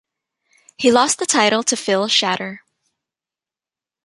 He lost the title to Phill Shatter.